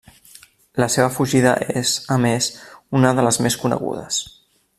La seva fugida és, a més, una de les més conegudes.